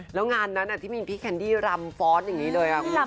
แล้วงานนั้นที่มีพี่แคนดี้ลำฟอร์สอย่างนี้เลยค่ะ